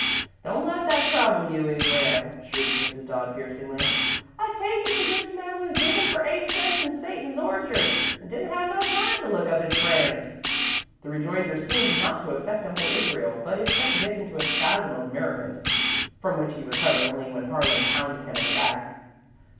"Don't let that trouble you, Israel," shrieked Mrs. Dodd, piercingly. "I take it the rich man was diggin' for eight cents in Satan's orchard, an' didn't have no time to look up his friends." The rejoinder seemed not to affect Uncle Israel, but it sent Dick into a spasm of merriment from which he recovered only when Harlan pounded him on the back.